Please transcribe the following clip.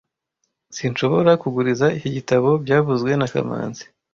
Sinshobora kuguriza iki gitabo byavuzwe na kamanzi